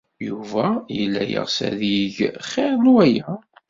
Yuba yella yeɣs ad yeg xir n waya.